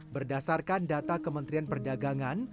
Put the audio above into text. berdasarkan data kementrian perdagangan